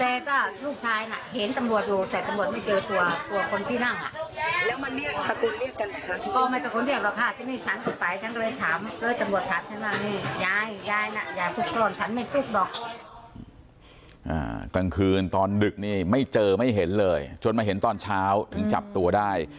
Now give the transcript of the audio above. กลางคืนตอนดึกนี่ไม่เจอไม่เห็นเลยจนมาเห็นตอนเช้าถึงจับตัวได้